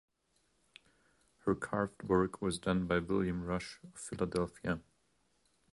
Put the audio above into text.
Her carved work was done by William Rush of Philadelphia.